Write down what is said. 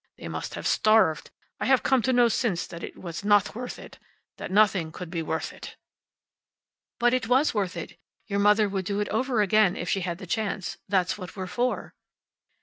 They must have starved. I have come to know, since, that it was not worth it. That nothing could be worth it." "But it was worth it. Your mother would do it all over again, if she had the chance. That's what we're for."